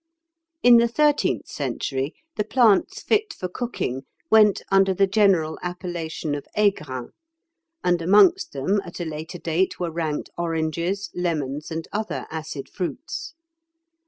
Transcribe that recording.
In the thirteenth century, the plants fit for cooking went under the general appellation of aigrun, and amongst them, at a later date, were ranked oranges, lemons, and other acid fruits.